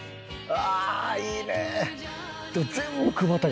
ああいいね。